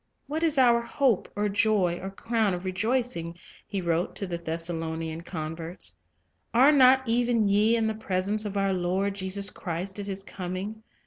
Life's "What is our hope, or joy, or crown of rejoicing?" he ttnpense wrote to the Thessalonian converts. "Are not even ye in the presence of our Lord Jesus Christ at His coming?